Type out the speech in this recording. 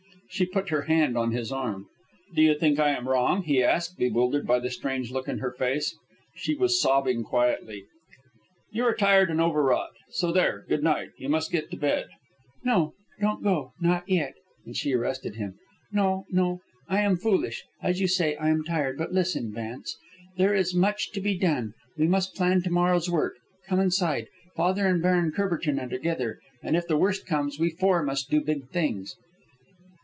She put her hand on his arm. "Do you think I am wrong?" he asked, bewildered by the strange look in her face. She was sobbing quietly. "You are tired and overwrought. So there, good night. You must get to bed." "No, don't go, not yet." And she arrested him. "No, no; I am foolish. As you say, I am tired. But listen, Vance. There is much to be done. We must plan to morrow's work. Come inside. Father and Baron Courbertin are together, and if the worst comes, we four must do big things."